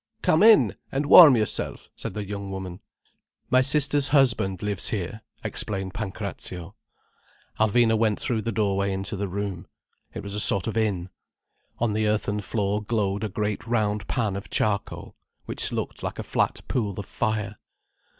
"Come in, and warm yourself," said the young woman. "My sister's husband lives here," explained Pancrazio. Alvina went through the doorway into the room. It was a sort of inn. On the earthen floor glowed a great round pan of charcoal, which looked like a flat pool of fire.